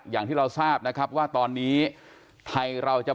อย่างที่เราทราบนะครับว่าตอนนี้ไทยเราจะ